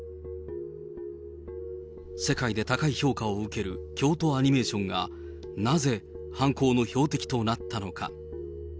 世界で高い評価を受ける京都アニメーションが、なぜ犯行の標的となったのか。